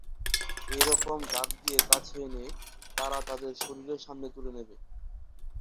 এইরকম ডাক দিয়ে কাছে এনে, তারা তাদের শরীরের সামনে তুলে নেবে।